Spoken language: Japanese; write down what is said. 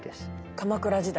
鎌倉時代。